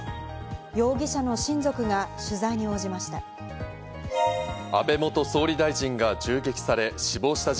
容疑者の親族が取材に応じました。